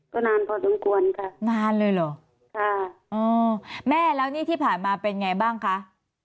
ก็นานพอสมควรค่ะนานเลยเหรอค่ะอ๋อแม่แล้วนี่ที่ผ่านมาเป็นไงบ้างคะ